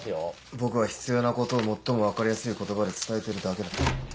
僕は必要なことを最も分かりやすい言葉で伝えてるだけだ。